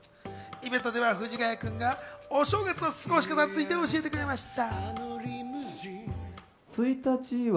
イベントでは藤ヶ谷君が、お正月の過ごし方について教えてくれました。